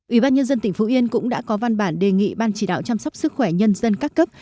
ủy ban nhân dân tỉnh phú yên cũng đã có văn bản đề nghị ban chỉ đạo chăm sóc sức khỏe nhân dân các cấp